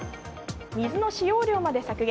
水の使用量まで削減。